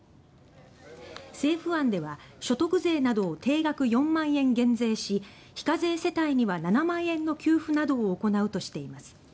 政府案では所得税などを定額４万円減税し非課税世帯には７万円の給付などを行うとしています。